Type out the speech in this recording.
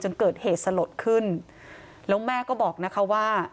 เกิดเหตุสลดขึ้นแล้วแม่ก็บอกนะคะว่า